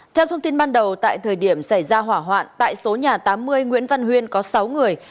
theo thông tin ban đầu tại thời điểm xảy ra hỏa hoạn tại số nhà tám mươi nguyễn văn huyên có sáu người